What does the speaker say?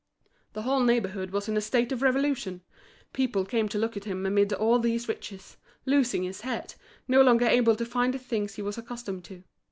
The whole neighbourhood was in a state of revolution; people came to look at him amid all these riches, losing his head, no longer able to find the things he was accustomed to.